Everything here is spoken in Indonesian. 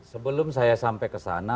sebelum saya sampai ke sana